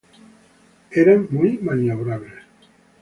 Eran muy maniobrables.